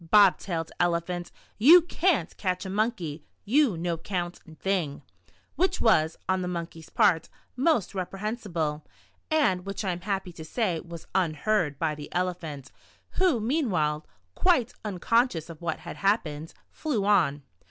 Bob tailed Elephant, You can't catch a Monkey, You ' no count ' thing" — which was, on the Monkey's part, most reprehen sible, and which I am happy to say was unheard by the Elephant, who, meanwhile, quite uncon scious of what had happened, flew on.